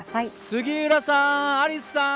杉浦さん、アリスさん！